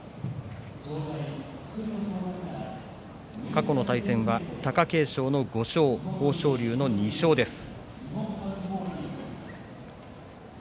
過去の対戦は貴景勝の５勝豊昇龍の２勝です。